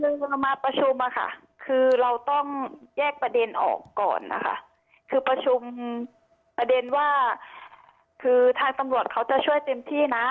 คือมาประชุมอะค่ะคือเราต้องแยกประเด็นออกก่อนนะคะคือประชุมประเด็นว่าคือทางตำรวจเขาจะช่วยเต็มที่นะ